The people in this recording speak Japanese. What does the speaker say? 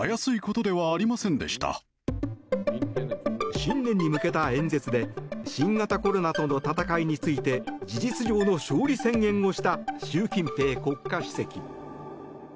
新年に向けた演説で新型コロナとの闘いについて事実上の勝利宣言をした習近平国家主席。